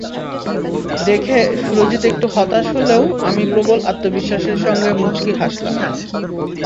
দেখে সুরজিত একটু হতাশ হলেও আমি প্রবল আত্মবিশ্বাসের সঙ্গে মুচকি হাসলাম।